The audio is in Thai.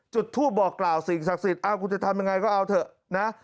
จุดทูปบอกกล่าวสิ่งศักดิ์สิทธิ์คุณจะทำยังไงก็เอาเถอะนะ